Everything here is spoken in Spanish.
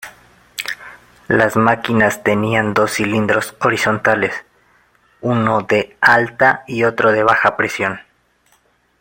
Las máquinas tenían dos cilindros horizontales, uno de alta y otro de baja presión.